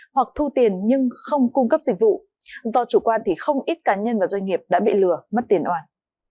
hoặc thu tiền nhưng không cung cấp dịch vụ do chủ quan thì không ít cá nhân và doanh nghiệp đã bị lừa mất tiền oan